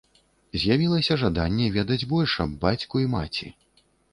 З'явілася жаданне ведаць больш аб бацьку і маці.